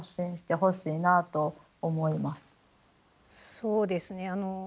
そうですね。